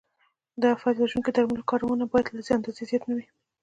د آفت وژونکو درملو کارونه باید له اندازې زیات نه وي.